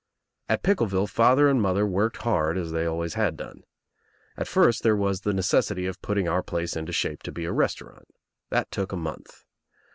At Pickleville father and mother worked hard as they always had done. At first there was the necessity of putting our place into shape to be a restaurant. That took a month.